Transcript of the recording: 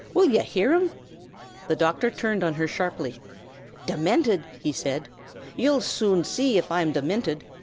will ye hear um?" The doctor turned on her sharply. "Diminted?" he said; "ye'll soon see av I'm diminted.